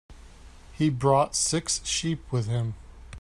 He brought six sheep with him.